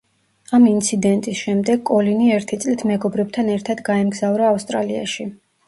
ამ ინციდენტის შემდეგ კოლინი ერთი წლით მეგობრებთან ერთად გაემგზავრა ავსტრალიაში.